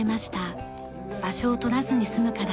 場所をとらずに済むからです。